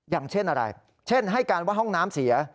อย่างเช่นอะไรเช่นให้การว่าห้องน้ำเสีย